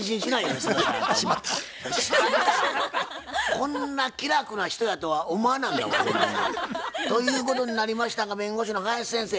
こんな気楽な人やとは思わなんだわほんまに。ということになりましたが弁護士の林先生